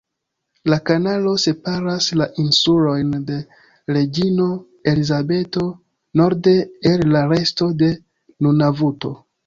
La kanalo separas la Insulojn de Reĝino Elizabeto norde el la resto de Nunavuto.